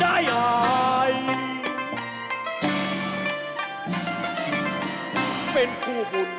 เสาคำยันอาวุธิ